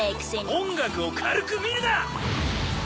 音楽を軽く見るな！